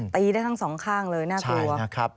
ตีได้ทั้งสองข้างเลยน่ากลัว